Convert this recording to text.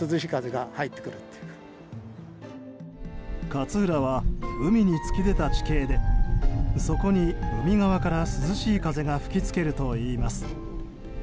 勝浦は、海に突き出た地形でそこに海側から涼しい風が吹きつけるといいます。